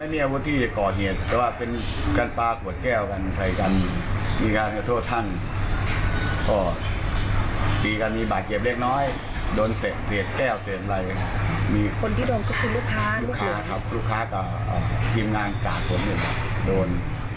ลูกค้าครับลูกค้ากับทีมงานกาดคนหนึ่งโดน